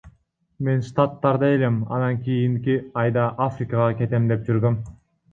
Мен Штаттарда элем, анан кийинки айда Африкага кетем деп жүргөм.